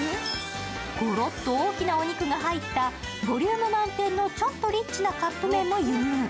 ゴロッと大きなお肉が入ったボリューム満点のちょっとリッチなカップ麺も輸入。